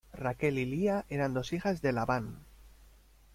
Raquel y Lía eran dos hijas de Labán.